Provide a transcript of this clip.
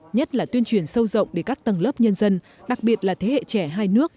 nhất là tuyên truyền sâu rộng để các tầng lớp nhân dân đặc biệt là thế hệ trẻ hai nước